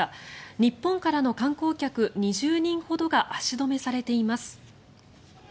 日本からの観光客２０人ほどが足止めされています。